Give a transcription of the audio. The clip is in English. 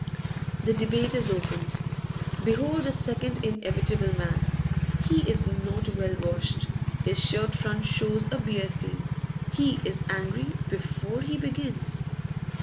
The debate is opened. Behold a second inevitable man; he is not well washed, his shirt front shows a beer stain; he is angry before he begins.